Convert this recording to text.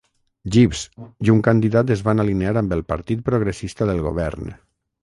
Gibbs i un candidat es van alinear amb el partit progressista del govern.